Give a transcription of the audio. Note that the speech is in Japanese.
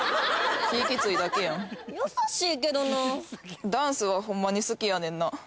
気キツいだけやん優しいけどなダンスはホンマに好きやねんな